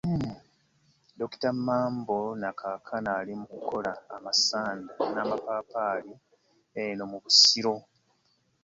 Dr. Mambo ne kaakano ali mu kukola amasanda n'amapapaali eno mu Busiro.